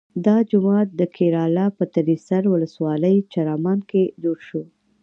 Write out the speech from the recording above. دا جومات د کیراله په تریسر ولسوالۍ چرامان کې جوړ شو.